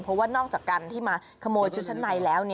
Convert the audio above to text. เพราะว่านอกจากการที่มาขโมยชุดชั้นในแล้ว